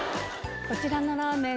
こちらのラーメン